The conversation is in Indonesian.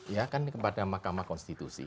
ya kan kepada mahkamah konstitusi